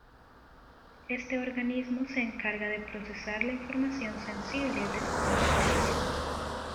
Este organismo se encarga de procesar la información sensible de su competencia.